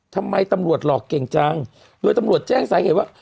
ทำไมตำรวจหลอกเก่งจังโดยตำรวจแจ้งสาเหตุว่า